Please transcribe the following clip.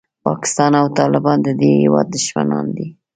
پاکستان او طالبان د دې هېواد دښمنان دي.